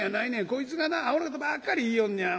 こいつがなあほなことばっかり言いよんねや。